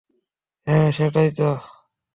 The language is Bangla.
হ্যাঁ, সেটাই তো।